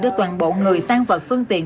đưa toàn bộ người tan vật phương tiện